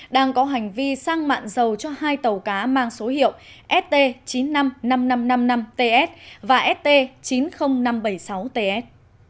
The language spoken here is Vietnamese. đang có hành vi sang mạng dầu cho hai tàu cá mang số hiệu st chín trăm năm mươi năm nghìn năm trăm năm mươi năm ts và st chín mươi nghìn năm trăm bảy mươi sáu ts